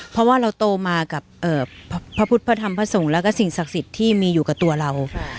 เพราะว่าเราโตมากับพระพุทธพระธรรมพระสงฆ์แล้วก็สิ่งศักดิ์สิทธิ์ที่มีอยู่กับตัวเรา